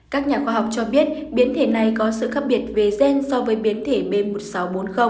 các nhà khoa học cho biết biến thể này có sự khác biệt về gen so với biến thể b một nghìn sáu trăm bốn mươi